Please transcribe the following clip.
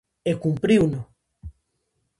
E cumpriuno.